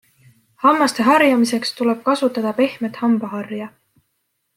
Hammaste harjamiseks tuleb kasutada pehmet hambaharja.